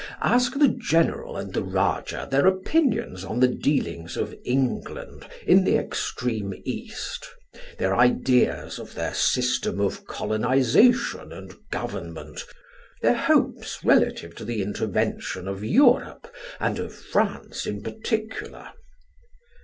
Ask the general and the rajah their opinions on the dealings of England in the extreme East, their ideas of their system of colonization and government, their hopes relative to the intervention of Europe and of France in particular."